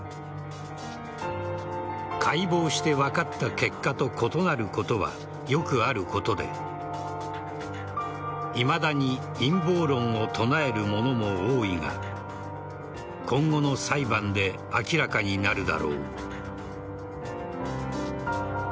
解剖して分かった結果と異なることはよくあることでいまだに陰謀論を唱える者も多いが今後の裁判で明らかになるだろう。